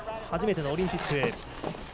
初めてのオリンピック。